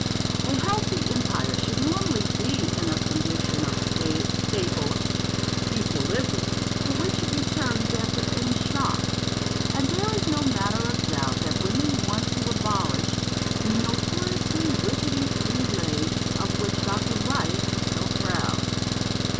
A healthy Empire should normally be in a condition of stable equilibrium, to which it returns after any shocks, and there is no manner of doubt that women want to abolish the notoriously rickety three legs of which Dr. Reich was so proud.